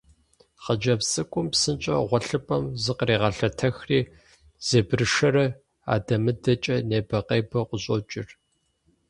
Хъыджэбз цӏыкӏум псынщӏэу гъуэлъыпӏэм зыкърегъэлъэтэхри, зебыршэрэ адэ-мыдэкӏэ небэ-къебэу къыщӏокӏыр.